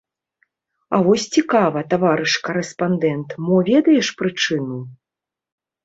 А вось цікава, таварыш карэспандэнт, мо ведаеш прычыну.